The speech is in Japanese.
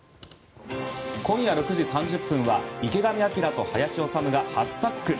今夜６時３０分は「池上彰と林修が初タッグ！